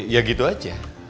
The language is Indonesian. ya gitu aja